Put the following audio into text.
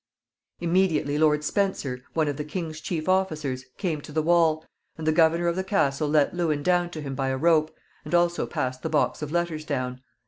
Immediately Lord Spencer, one of the king's chief officers, came to the wall, and the governor of the castle let Lewin down to him by a rope, and also passed the box of letters down.